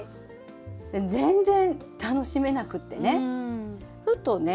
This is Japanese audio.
で全然楽しめなくってねふとね